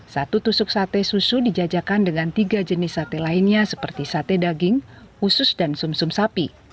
satu tusuk sate susu dijajakan dengan tiga jenis sate lainnya seperti sate daging usus dan sum sum sapi